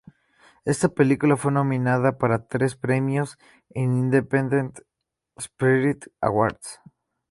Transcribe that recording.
Esta película fue nominada para tres premios en Independent Spirit Awards